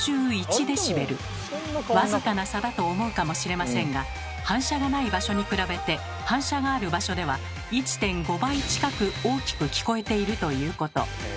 僅かな差だと思うかもしれませんが反射がない場所に比べて反射がある場所では１．５倍近く大きく聞こえているということ。